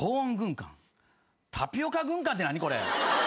タピオカ軍艦って何これ！？